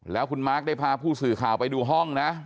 แล้วคุณมาร์คได้พาผู้สื่อข่าวไปดูห้องนะ